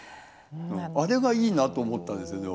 あれがいいなと思ったんですよね